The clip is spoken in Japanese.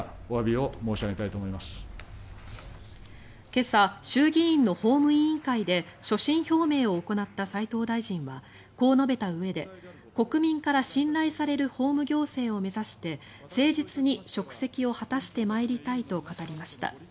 今朝、衆議院の法務委員会で所信表明を行った斎藤大臣はこう述べたうえで国民から信頼される法務行政を目指して誠実に職責を果たしてまいりたいと語りました。